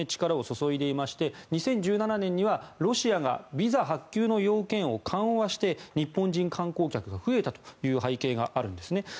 力を注いでいまして２０１７年にはロシアがビザ発給の要件を緩和して日本人観光客が増えたという背景があるんですね。